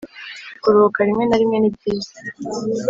kuruhuka rimwe na rimwe nibyiza